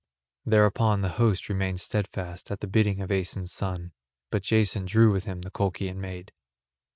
Thereupon the host remained stedfast at the bidding of Aeson's son, but Jason drew with him the Colchian maid.